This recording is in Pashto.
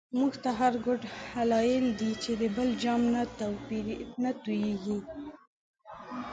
مونږ ته هر گوت هلایل دی، چی د بل جام نه توییږی